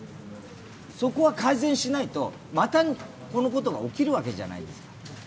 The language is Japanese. そこは改善しないと、またこのことが起きるわけじゃないですか。